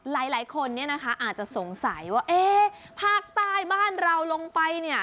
หลายคนเนี่ยนะคะอาจจะสงสัยว่าเอ๊ะภาคใต้บ้านเราลงไปเนี่ย